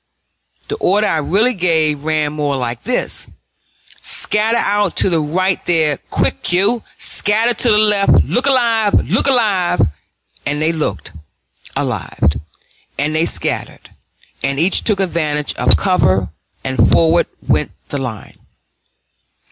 The order I really gave ran more like this: "Scatter out to the right there, quick, you! scatter to the left! look alive, look alive!" And they looked alive, and they scattered, and each took advantage of cover, and forward went the line.